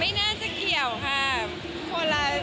ไม่น่าจะเกี่ยวค่ะ